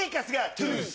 トゥース。